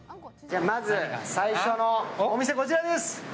まず最初のお店はこちらです。